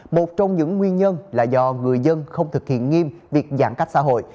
một trong những nguyên nhân là do người dân không thực hiện nghiêm việc giãn cách xã hội